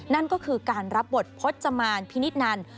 นั่นก็คือการรับบทพจมานพินิษฐนัน